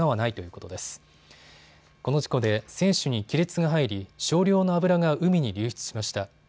この事故で船首に亀裂が入り少量の油が海に流出しました。